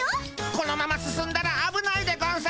このまま進んだらあぶないでゴンス。